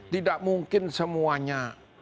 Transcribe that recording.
tidak mungkin semuanya